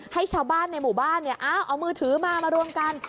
ให้ชาวบ้านในหมู่บ้านเอามือถือมามารวมกัน